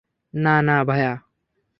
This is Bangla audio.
না না ভাইয়া।